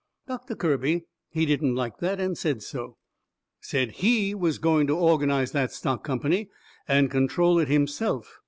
Doctor Kirby, he didn't like that, and said so. Said HE was going to organize that stock company, and control it himself.